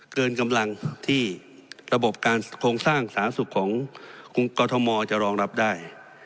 เกินกำลังที่ระบบการโครงสร้างสาธารณสุขของกรทมจะรองรับได้